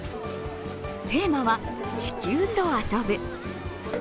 テーマは「地球と遊ぶ」。